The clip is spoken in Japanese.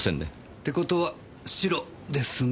って事はシロですね？